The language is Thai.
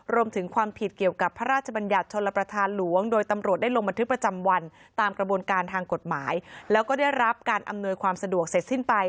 รวมถึงความผิดกับพระราชบัญญัติ